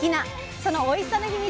そのおいしさの秘密